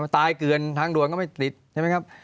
ตายเกือนทางด่วนก็ไม่ติดใช่ไหมครับ